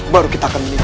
baru kita akan menikah